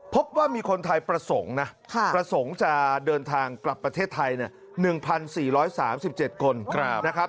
พบว่ามีคนไทยประสงค์นะประสงค์จะเดินทางกลับประเทศไทย๑๔๓๗คนนะครับ